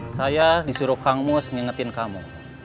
saya disuruh kang mus ngingetin kamu